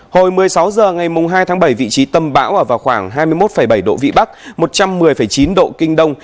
hồi một mươi sáu h ngày hai tháng bảy vị trí tâm bão ở vào khoảng hai mươi một bảy độ vĩ bắc một trăm một mươi chín độ kinh đông